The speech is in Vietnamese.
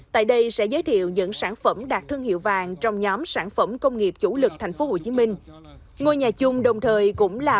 tại đây sẽ giới thiệu những sản phẩm đạt thương hiệu vàng trong nhóm sản phẩm công nghiệp chủ lực tp hcm